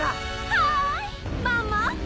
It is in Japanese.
はいママ！